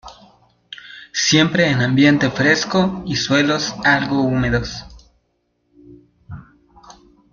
Siempre en ambiente fresco y suelos algo húmedos.